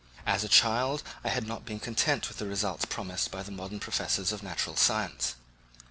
As a child I had not been content with the results promised by the modern professors of natural science.